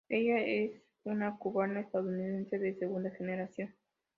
Ella es una cubana-estadounidense de segunda generación.